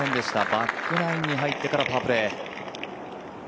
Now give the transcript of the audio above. バックナインに入ってからパープレー。